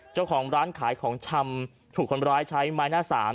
เจ้าของร้านขายของชำถูกคนร้ายใช้ไม้หน้าสาม